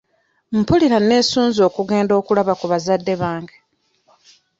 Mpulira neesunze okugenda okulaba ku bazadde bange.